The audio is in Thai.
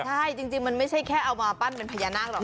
ใช่จริงมันไม่ใช่แค่เอามาปั้นเป็นพญานาคหรอก